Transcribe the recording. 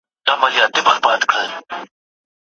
د فارابي نظریات د آرماني ټولني په اړه بحث کوي.